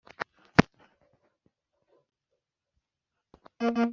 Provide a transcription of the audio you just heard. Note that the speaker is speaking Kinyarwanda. Uru ruhushya ruhabwa umuntu ubona amafaranga